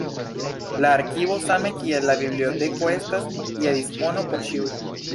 La arkivo same kiel la biblioteko estas je dispono por ĉiuj.